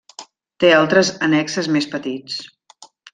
Té altres annexes més petits.